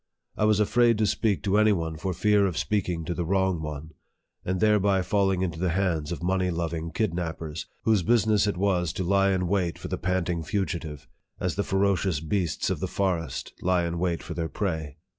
I was afraid to speak to any one for fear of speaking to the wrong one, and thereby falling into the hands of money loving kidnappers, whose business it was to lie in wait for the panting fu gitive, as the ferocious beasts of the forest lie in wait for their prey.